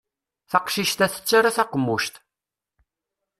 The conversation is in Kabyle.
Taqcict-a tettarra taqemmuct.